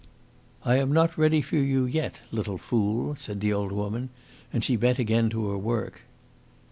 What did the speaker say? "I am not ready for you yet, little fool," said the old woman, and she bent again to her work.